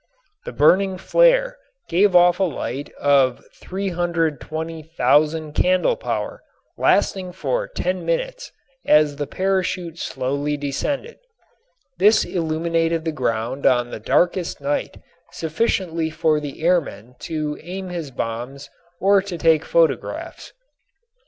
The burning flare gave off a light of 320,000 candle power lasting for ten minutes as the parachute slowly descended. This illuminated the ground on the darkest night sufficiently for the airman to aim his bombs or to take photographs.